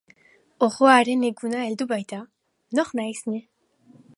Orroaren eguna heldu baita, nor naiz ni?